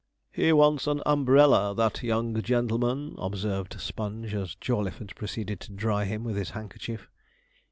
'He wants an umbrella, that young gentleman,' observed Sponge, as Jawleyford proceeded to dry him with his handkerchief.